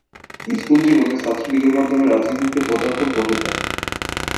School জীবনে ছাত্রলীগের মাধ্যমে রাজনীতিতে পদার্পণ ঘটে তার।